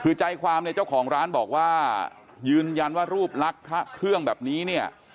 คือใจความเนี่ยเจ้าของร้านบอกว่ายืนยันว่ารูปลักษณ์พระเครื่องแบบนี้เนี่ย